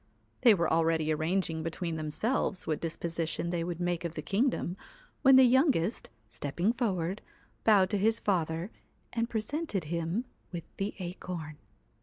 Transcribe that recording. They were already arranging between themselves what disposition they would make of the kingdom, when the youngest, stepping forward, bowed to his father, and presented him with the acorn.